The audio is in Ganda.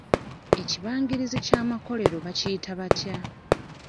Ekibangirizi ky'amakolero bakiyita batya?